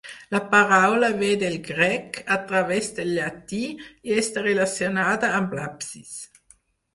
La paraula ve del grec, a través del llatí, i està relacionada amb l'absis.